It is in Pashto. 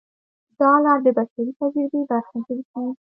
دا لار د بشري تجربې برخه ګرځي.